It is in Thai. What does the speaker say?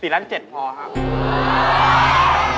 ๔๗ล้านครับ